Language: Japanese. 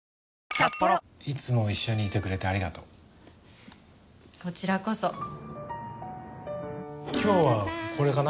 いつも一緒にいてくれてありがとうこちらこそ今日はこれかな